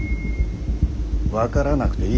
分からなくていい。